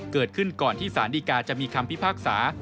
เกิดขึ้นก่อนที่สารดีกาจะมีคำพิพากษา